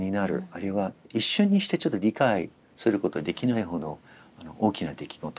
あるいは一瞬にしてちょっと理解することができないほど大きな出来事。